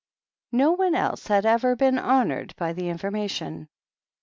No one else had ever been honoured by the informa tion.